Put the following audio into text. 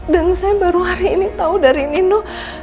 dan saya baru hari ini tahu dari nino